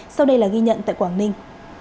sau đây là ghi nhận tại quảng ninh